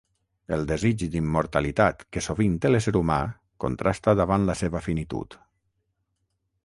El desig d'immortalitat que sovint té l'ésser humà contrasta davant la seva finitud.